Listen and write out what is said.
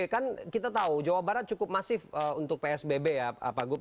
kan kita tahu jawa barat cukup masif untuk psbb ya pak gup